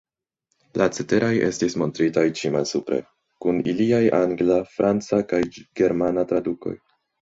La ceteraj estas montritaj ĉi malsupre, kun iliaj Angla, Franca kaj Germana tradukoj.